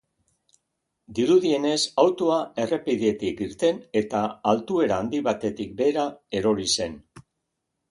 Dirudienez, autoa errepidetik irten eta altuera handi batetik behera erori zen.